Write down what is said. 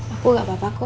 aku gak apa apaku